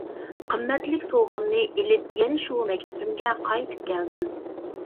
قىممەتلىك سوۋغامنى ئىلىپ يەنە شۇ مەكتىپىمگە قايتىپ كەلدىم.